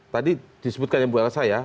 tadi disebutkan ya bu elsa ya